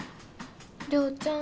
涼ちゃん。